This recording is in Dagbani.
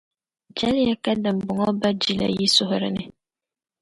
Chɛliya ka dimbɔŋɔ ba jila yi suhuri ni.